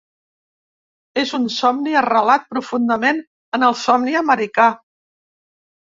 És un somni arrelat profundament en el somni americà.